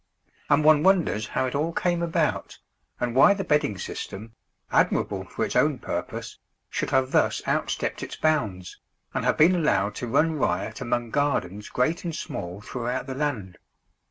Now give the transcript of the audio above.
And one wonders how it all came about, and why the bedding system, admirable for its own purpose, should have thus outstepped its bounds, and have been allowed to run riot among gardens great and small throughout the land.